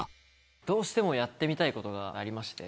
どうしてもやってみたいことがありまして。